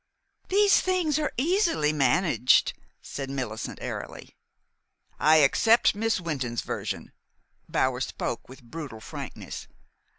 "These things are easily managed," said Millicent airily. "I accept Miss Wynton's version." Bower spoke with brutal frankness.